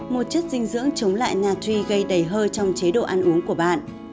một chất dinh dưỡng chống lại natri gây đầy hơi trong chế độ ăn uống của bạn